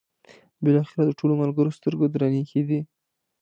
بالاخره د ټولو ملګرو سترګې درنې کېدې.